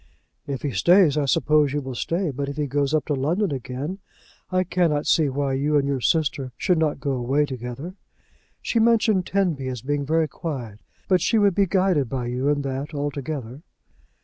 "If he stays, I suppose you will stay; but if he goes up to London again, I cannot see why you and your sister should not go away together. She mentioned Tenby as being very quiet, but she would be guided by you in that altogether."